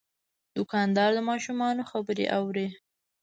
دوکاندار د ماشومانو خبرې اوري.